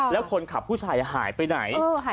แล้วคนขับผู้ชายหายไปไหน